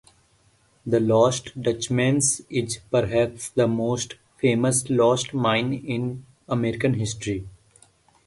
The Lost Dutchman's is perhaps the most famous lost mine in American history.